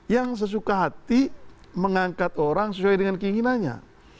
yang sesuka hati mengangkat orang sesuai dengan keinginannya